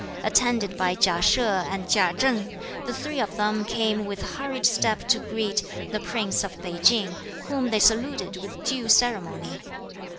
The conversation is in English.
Attended by Chia She and Chia Chen, the three of them came with hurried step to greet (the Prince of Pei Ching), whom they saluted with due ceremony.